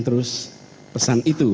terus pesan itu